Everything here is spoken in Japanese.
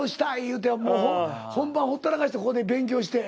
言うてもう本番ほったらかしてここで勉強して。